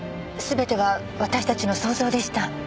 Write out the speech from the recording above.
全ては私たちの想像でした。